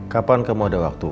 kapan kamu ada waktu